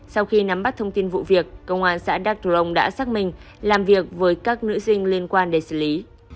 sau khi nắm bắt thông tin vụ việc công an xã đắk rồng đã xác minh làm việc với các nữ sinh liên quan để xử lý